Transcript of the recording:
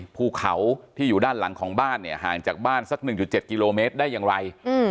ภูเขาที่อยู่ด้านหลังของบ้านเนี่ยห่างจากบ้านสัก๑๗กิโลเมตรได้อย่างไร